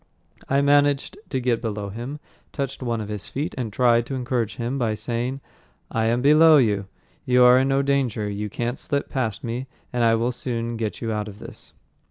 I managed to get below him, touched one of his feet, and tried to encourage him by saying, "I am below you. You are in no danger. You can't slip past me and I will soon get you out of this."